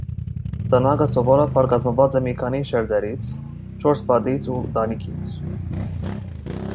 Տնակը սովորաբար կազմված է մի քանի շերտերից (չորս «պատից» ու տանիքից)։